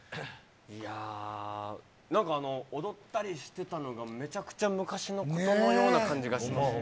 いやー、なんかあの、踊ったりしてたのが、めちゃくちゃ昔のことのような感じがしますね。